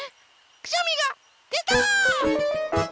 くしゃみがでた！